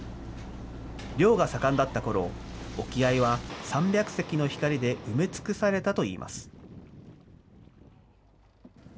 漁が盛んだったころ、沖合は３００隻の光で埋め尽くされたといいます。